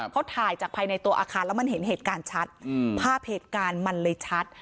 เขาถ่ายจากภายในตัวอาคารแล้วมันเห็นเหตุการณ์ชัดภาพเหตุการณ์มันเลยชัด